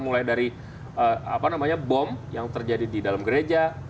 mulai dari bom yang terjadi di dalam gereja